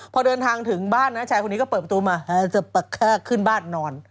พอเดินทางถึงบ้านนะชายคนนี้ก็เปิดประตูมาจะขึ้นบ้านนอน